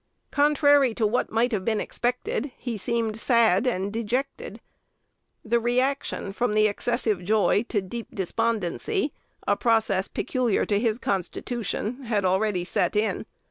Contrary to what might have been expected, he seemed sad and dejected. The re action from excessive joy to deep despondency a process peculiar to his constitution had already set in.